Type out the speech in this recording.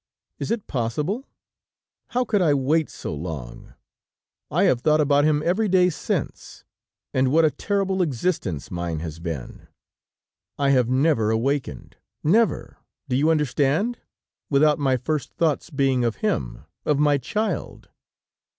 Is it possible? How could I wait so long? I have thought about him every day since, and what a terrible existence mine has been! I have never awakened, never, do you understand, without my first thoughts being of him, of my child.